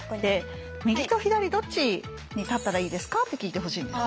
「右と左どっちに立ったらいいですか？」って聞いてほしいんです。